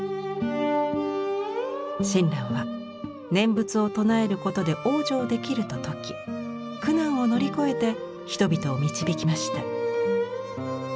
親鸞は念仏を唱えることで往生できると説き苦難を乗り越えて人々を導きました。